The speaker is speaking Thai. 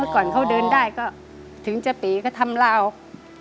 ก่อนเขาเดินได้ก็ถึงจะปีก็ทำลาออก